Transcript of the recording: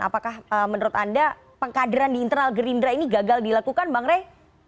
apakah menurut anda pengkaderan di internal gerindra ini gagal dilakukan bang rey